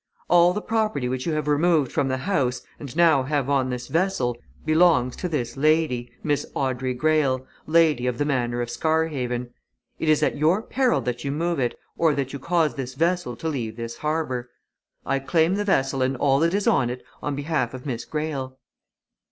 All the property which you have removed from the house, and now have on this vessel, belongs to this lady, Miss Audrey Greyle, Lady of the Manor of Scarhaven. It is at your peril that you move it, or that you cause this vessel to leave this harbour. I claim the vessel and all that is on it on behalf of Miss Greyle."